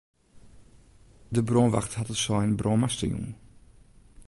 De brânwacht hat it sein brân master jûn.